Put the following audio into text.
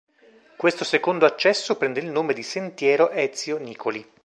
Questo secondo accesso prende il nome di sentiero Ezio Nicoli.